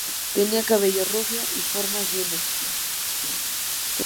Tenía cabello rubio y formas bien hechas.